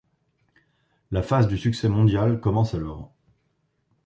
La phase du succès mondial commence alors.